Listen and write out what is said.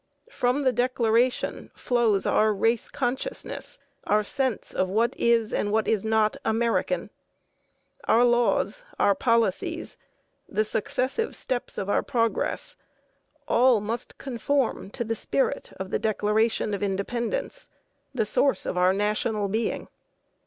From the Declaration flows our race consciousness, our sense of what is and what is not American. Our laws, our policies, the successive steps of our progress all must conform to the spirit of the Declaration of Independence, the source of our national being.